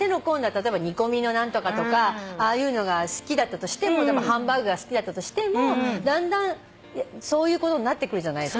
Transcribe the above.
例えば煮込みの何とかとかああいうのが好きだったとしてもハンバーグが好きだったとしてもだんだんそういうことになってくるじゃないですか。